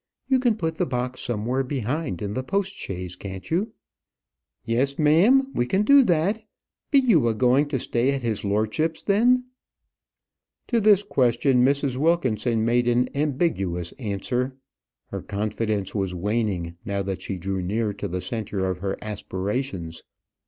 You can put the box somewhere behind in the post chaise, can't you?" "Yes, ma'am; we can do that. Be you a going to stay at his lordship's, then?" To this question Mrs. Wilkinson made an ambiguous answer. Her confidence was waning, now that she drew near to the centre of her aspirations.